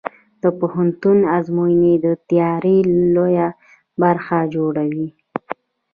د پوهنتون ازموینې د تیاری لویه برخه جوړوي.